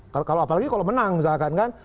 kalau apalagi kalau menang misalkan kan